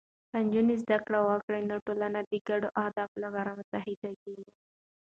که نجونې زده کړه وکړي، نو ټولنه د ګډو اهدافو لپاره متحدېږي.